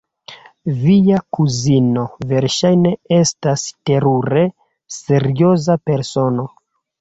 Via kuzino verŝajne estas terure serioza persono!